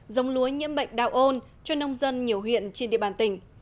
giống lúa nhiễm bệnh đạo ôn cho nông dân nhiều huyện trên địa bàn tỉnh